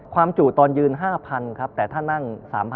ความจุดตอนยืน๕๐๐๐แต่ถ้านั่ง๓๕๐๐